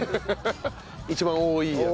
一番多いやつ。